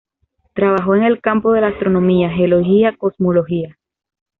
Trabajó en el campo de la astronomía, geología, cosmología.